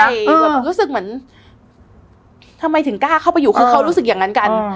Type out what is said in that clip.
คือแบบรู้สึกเหมือนทำไมถึงกล้าเข้าไปอยู่คือเขารู้สึกอย่างนั้นกัน